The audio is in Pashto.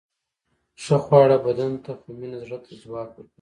ښه خواړه بدن ته، خو مینه زړه ته ځواک ورکوي.